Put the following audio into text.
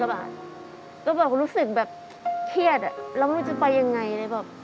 เราก็รู้สึกแบบเครียดเราไม่รู้จะไปอย่างไร